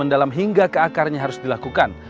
mendalam hingga ke akarnya harus dilakukan